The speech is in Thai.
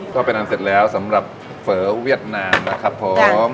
ก็เป็นอันเสร็จแล้วสำหรับเฝอเวียดนามนะครับผม